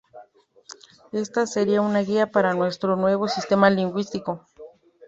Esta sería una guía para nuestro nuevo sistema lingüístico.